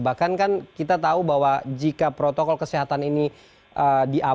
bahkan kan kita tahu bahwa jika protokol kesehatan ini